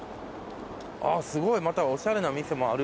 あっすごいまたおしゃれな店もある。